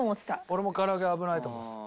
俺も唐揚げ危ないと思ってた。